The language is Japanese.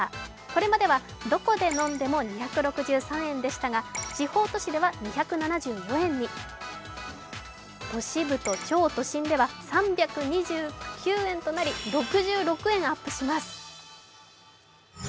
これまではどこで飲んでも２６３円でしたが、地方都市では２７４円に、都市部と超都心では３２９円となり６６円アップします。